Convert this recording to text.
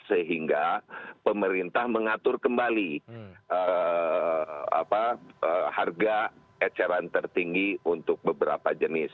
sehingga pemerintah mengatur kembali harga eceran tertinggi untuk beberapa jenis